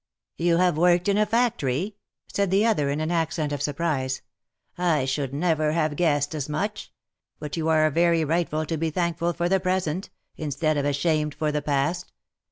" You have worked in a factory V said the other in an accent of surprise; "I should never have guessed as much — but you are very right to be thankful for the present, instead of ashamed for the past.